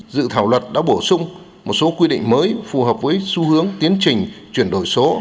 dự thảo luật đã bổ sung một số quy định mới phù hợp với xu hướng tiến trình chuyển đổi số